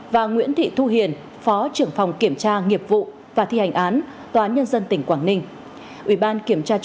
và nguyễn thị thu hiền phó trưởng phòng kiểm tra nghiệp vụ và thi hành án tòa án nhân dân tỉnh quảng ninh